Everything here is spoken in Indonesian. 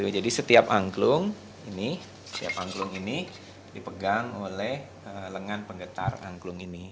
jadi setiap angklung ini setiap angklung ini dipegang oleh lengan penggetar angklung ini